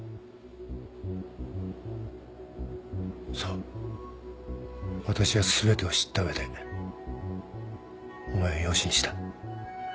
そう私は全てを知った上でお前を養子にした。